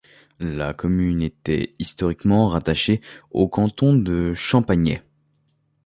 La commune était historiquement rattachée au canton de Champagney.